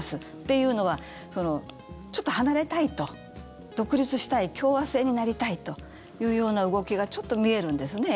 というのは、ちょっと離れたいと独立したい、共和制になりたいというような動きがちょっと見えるんですね